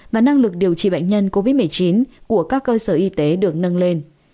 và năng lực điều trị bệnh nhân covid một mươi chín của các cơ sở y tế được nâng lên